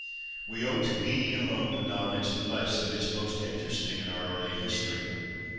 We owe to Bede alone the knowledge of much that is most interesting in our early history."